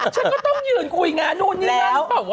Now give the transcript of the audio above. ฉันก็ต้องยืนกูอย่างนั้นนู่นนี่นั้นป่ะวะ